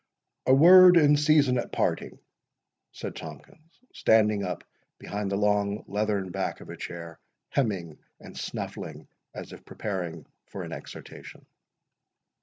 "A word in season at parting," said Tomkins, standing up behind the long leathern back of a chair, hemming and snuffling as if preparing for an exhortation.